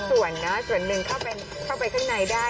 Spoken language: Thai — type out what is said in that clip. ส่วนนะส่วนหนึ่งเข้าไปข้างในได้